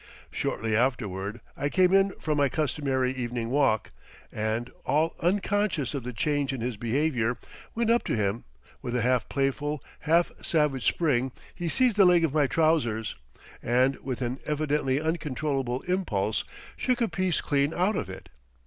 Shortly afterward, I came in from my customary evening walk, and, all unconscious of the change in his behavior, went up to him; with a half playful, half savage spring he seized the leg of my trousers, and, with an evidently uncontrollable impulse, shook a piece clean out of it.